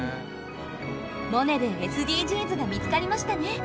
「モネ」でＳＤＧｓが見つかりましたね。